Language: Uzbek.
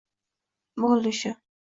Bo'ldi shu